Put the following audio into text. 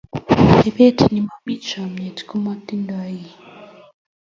Atepet nemomi chomyet komatindo kit